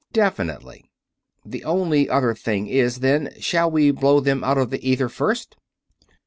"Definitely." "The only other thing is, then, shall we blow them out of the ether first?"